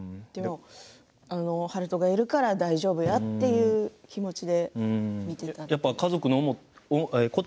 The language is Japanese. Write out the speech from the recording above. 悠人がいるから大丈夫やという気持ちで見ていると。